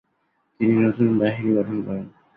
তিনি নতুন বাহিনী গঠন করেন।